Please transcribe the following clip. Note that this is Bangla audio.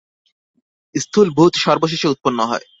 স্থূল ভূত সর্বশেষে উৎপন্ন হয়।